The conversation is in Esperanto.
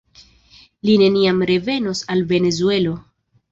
Li neniam revenos al Venezuelo.